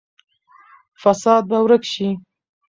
فساد به ورک شي.